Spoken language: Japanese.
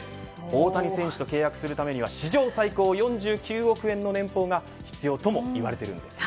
大谷選手と契約するためには史上最高４９億円の年俸が必要ともいわれているんです。